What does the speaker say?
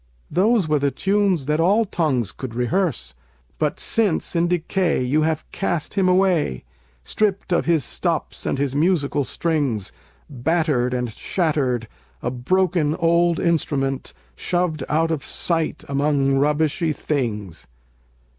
Those were the tunes that all tongues could rehearse; But since in decay you have cast him away, Stript of his stops and his musical strings, Battered and shattered, a broken old instrument, Shoved out of sight among rubbishy things.